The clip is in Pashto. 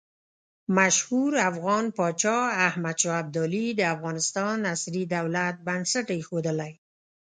مشهور افغان پاچا احمد شاه ابدالي د افغانستان عصري دولت بنسټ ایښودلی.